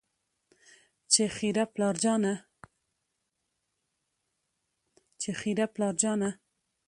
چې خېره پلار جانه